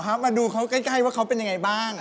ป่ะอ่ะมาดูเขาใกล้ว่าเขาเป็นอย่างไรบ้าง